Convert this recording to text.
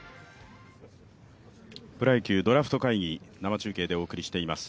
プロ野球ドラフト会議生中継でお送りしています。